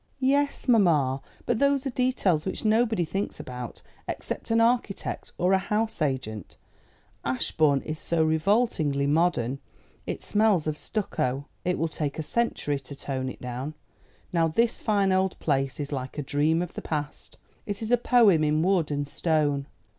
"Yes, mamma; but those are details which nobody thinks about except an architect or a house agent. Ashbourne is so revoltingly modern. It smells of stucco. It will take a century to tone it down. Now this fine old place is like a dream of the past; it is a poem in wood and stone.